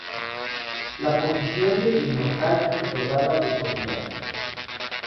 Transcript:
La posición de "Inmortal" es otorgada de por vida.